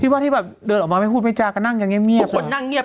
ว่าที่แบบเดินออกมาไม่พูดไม่จาก็นั่งกันเงียบคนนั่งเงียบ